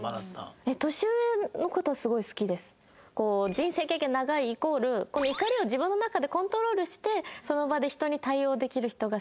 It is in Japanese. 人生経験長いイコール怒りを自分の中でコントロールしてその場で人に対応できる人が好きです。